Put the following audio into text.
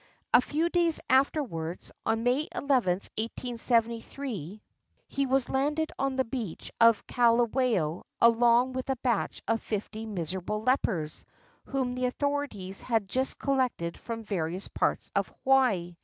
A few days after wards, on May nth, 1873, he was landed on the beach of Kalawao along with a batch of fifty miserable lepers, whom the authorities had just collected from various parts of Hawaii.